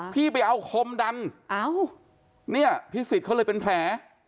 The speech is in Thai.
พี่ไปเอาคมดันเนี่ยพิสิทธิ์เขาเลยเป็นแผล